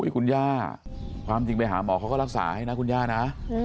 คุณย่าความจริงไปหาหมอเขาก็รักษาให้นะคุณย่านะ